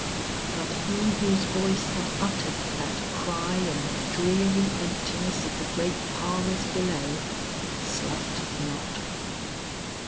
But he whose voice had uttered that cry in the dreary emptiness of the great parlors below, slept not.